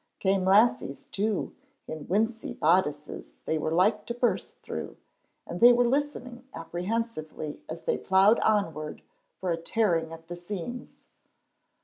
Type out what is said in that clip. Came lassies, too, in wincey bodices they were like to burst through, and they were listening apprehensively as they ploughed onward for a tearing at the seams.